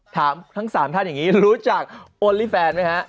ถามทั้ง๓ท่านอย่างนี้รู้จักโอลี่แฟนไหมฮะ